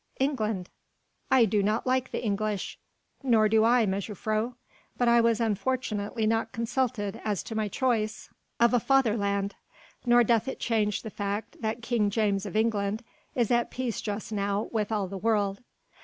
"England." "I do not like the English." "Nor do I, mejuffrouw. But I was unfortunately not consulted as to my choice of a fatherland: nor doth it change the fact that King James of England is at peace just now with all the world."